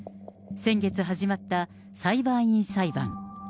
先月始まった裁判員裁判。